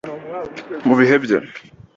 Mu bihe bye